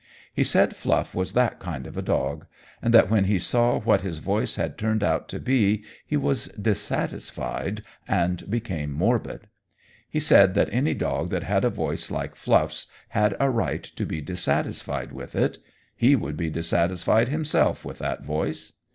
He said Fluff was that kind of a dog, and that when he saw what his voice had turned out to be he was dissatisfied, and became morbid. He said that any dog that had a voice like Fluff's had a right to be dissatisfied with it he would be dissatisfied himself with that voice.